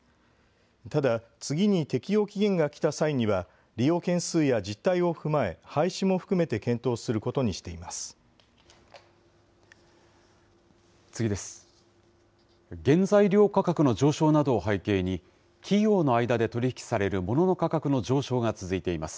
ただ、次に適用期限が来た際には、利用件数や実態を踏まえ、廃止も含めて検討することにしています。